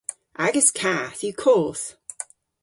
Agas kath yw koth.